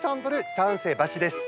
３世橋です。